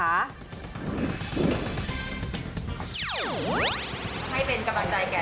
ให้เป็นกำลังใจแก่